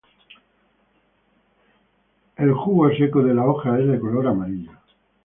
El jugo seco de la hoja es de color amarillo.